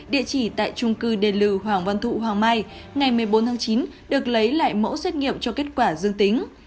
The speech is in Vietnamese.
địa chỉ tại trung cư đền lưu hoàng văn thụ hoàng mai ngày một mươi bốn tháng chín được lấy lại mẫu xét nghiệm cho kết quả dương tính